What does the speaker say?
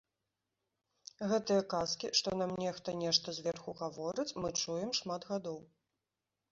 Гэтыя казкі, што нам нехта нешта зверху гаворыць, мы чуем шмат гадоў.